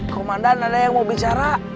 komandan ada yang mau bicara